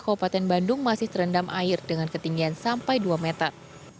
kabupaten bandung masih terendam air dengan ketinggian sampai dua meter